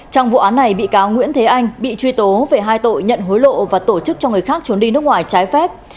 trong vụ án này bị cáo nguyễn thế anh bị truy tố về hai tội nhận hối lộ và tổ chức cho người khác trốn đi nước ngoài trái phép